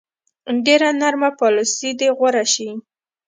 ډېره نرمه پالیسي دې غوره شي.